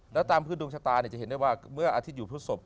แล้วตามพื้นดวงชะตาจะเห็นได้ว่าเมื่ออาทิตย์อยู่พฤศพ